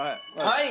はい。